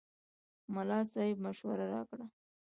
ملا صاحب مشوره راکړه.